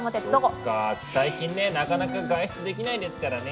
そっか最近ねえなかなか外出できないですからね。